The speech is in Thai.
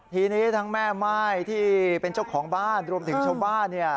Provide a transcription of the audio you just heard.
ทีนี้ทั้งแม่ม่ายที่เป็นเจ้าของบ้านรวมถึงชาวบ้านเนี่ย